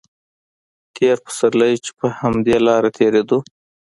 تېر پسرلی چې په همدې لاره تېرېدو.